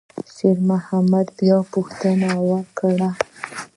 شېرمحمد بیا پوښتنه وکړه.